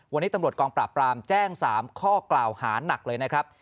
วันนี้ตำรวจกองปราบปรามแจ้ง๓ข้อกล่าวหานักเลยนะครับ